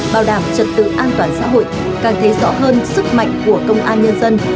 bảo đảm trật tự an toàn xã hội càng thấy rõ hơn sức mạnh của công an nhân dân